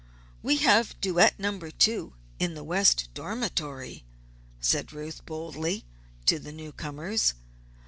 "We have Duet Number 2 in the West Dormitory," said Ruth, boldly, to the new comers.